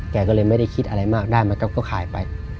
แกก็เลยไม่ได้คิดอะไรมากได้มันก็ขายไป